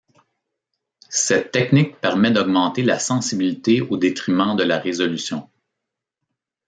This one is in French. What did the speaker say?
Cette technique permet d'augmenter la sensibilité au détriment de la résolution.